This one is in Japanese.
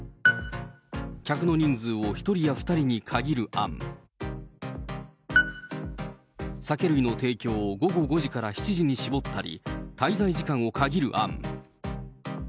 客の人数を１人や２人に限る案、酒類の提供を午後５時から７時に絞ったり、滞在時間を限る案。